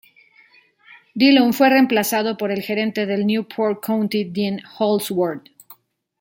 Dillon fue reemplazado por el gerente del Newport County, Dean Holdsworth.